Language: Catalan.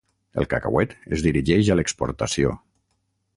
El cacauet es dirigeix a l'exportació.